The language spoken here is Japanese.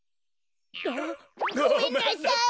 ごめんなさい！